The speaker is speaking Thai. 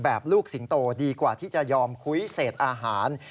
ลูกสิงโตดีกว่าที่จะยอมคุ้ยเศษอาหาร